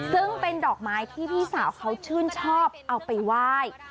ซึ่งเป็นดอกไม้ที่พี่สาวเขาชื่นชอบเอาไปไหว้